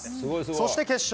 そして決勝。